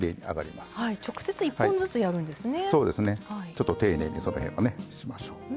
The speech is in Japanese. ちょっと丁寧にその辺はねしましょう。